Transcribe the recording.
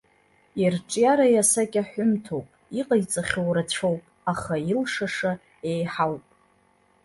Ирҿиара иасакьаҳәымҭоуп, иҟаиҵахьоу рацәоуп, аха илшаша еиҳауп.